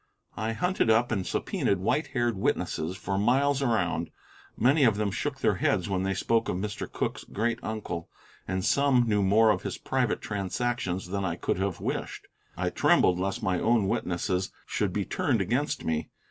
I hunted up and subpoenaed white haired witnesses for miles around. Many of them shook their heads when they spoke of Mr. Cooke's great uncle, and some knew more of his private transactions than I could have wished, and I trembled lest my own witnesses should be turned against me.